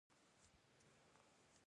نه، انټی وایرس لرم